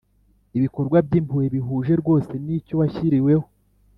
ibikorwa by’impuhwe bihuje rwose n’icyo washyiriweho.